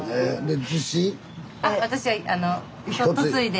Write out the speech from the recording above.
あ私は嫁いで。